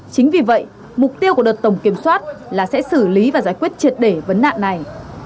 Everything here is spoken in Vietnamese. chính vì vậy mục tiêu của đợt tổng kiểm soát là sẽ xử lý và giải quyết triệt để vấn nạn này